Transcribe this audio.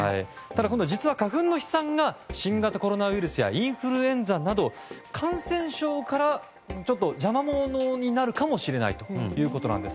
実は花粉の飛散が新型コロナウイルスやインフルエンザなど感染症から邪魔者になるかもしれないということです。